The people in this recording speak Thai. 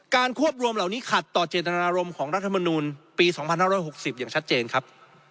ควบรวมเหล่านี้ขัดต่อเจตนารมณ์ของรัฐมนูลปี๒๕๖๐อย่างชัดเจนครับ